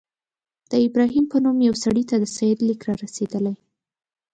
د ابراهیم په نوم یوه سړي ته د سید لیک را رسېدلی.